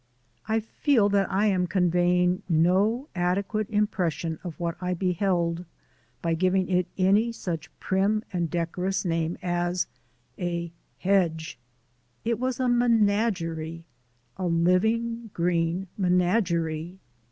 I feel that I am conveying no adequate impression of what I beheld by giving it any such prim and decorous name as a Hedge. It was a menagerie, a living, green menagerie!